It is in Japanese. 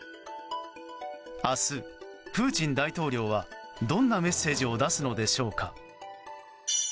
明日、プーチン大統領はどんなメッセージを出すのでしょうか。